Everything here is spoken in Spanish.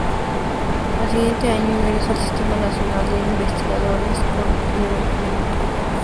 Al siguiente año ingresa al Sistema Nacional de Investigadores con nivel uno.